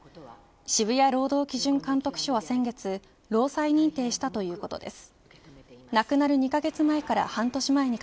渋谷労働基準監督署は先月労災認定したということです。